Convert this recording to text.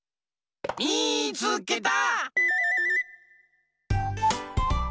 みいつけた！